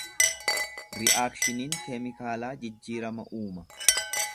Ri'akshiniin keemikaalaa jijjiirama uuma.